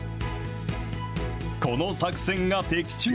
この作戦が的中。